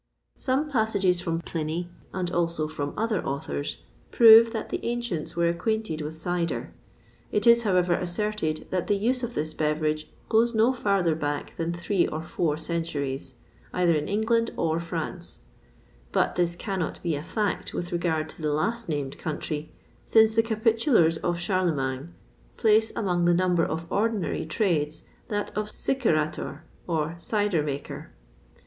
[XXVI 31] Some passages from Pliny, and also from other authors, prove that the ancients were acquainted with cider.[XXVI 32] It is, however, asserted that the use of this beverage goes no farther back than three or four centuries, either in England or France;[XXVI 33] but this cannot be a fact with regard to the last named country, since the capitulars of Charlemagne place among the number of ordinary trades that of sicerator, or "cider maker."